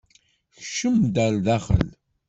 Kcem-d ar daxel!